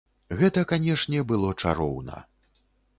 Гэта, канешне, было чароўна!